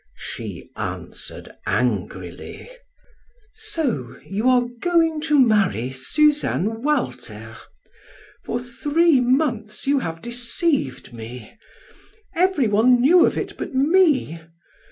She answered angrily: "So you are going to marry Suzanne Walter? For three months you have deceived me. Everyone knew of it but me.